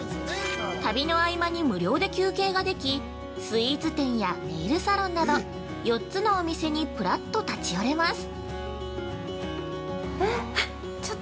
旅の合間に無料で休憩ができスイーツ店やネイルサロンなど４つのお店にぷらっと立ち寄れます。